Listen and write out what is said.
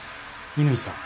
乾さん